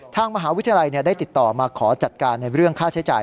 ทางมหาวิทยาลัยได้ติดต่อมาขอจัดการในเรื่องค่าใช้จ่าย